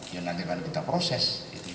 ya nanti akan kita proses